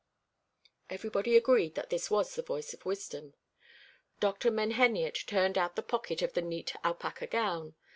Everybody agreed that this was the voice of wisdom. Dr. Menheniot turned out the pocket of the neat alpaca gown.